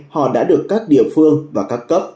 họ đã được các địa phương và các cấp